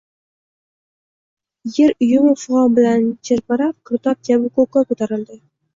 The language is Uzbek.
Er uyumi fig`on bilan chirpirab, girdob kabi ko`kka ko`tarildi